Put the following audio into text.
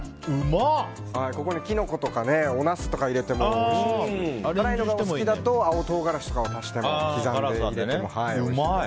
ここにキノコとかおナスとか入れてもおいしいですし辛いのがお好きですと青唐辛子とかを刻んで入れてもおいしいと思います。